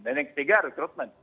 dan yang ketiga recruitment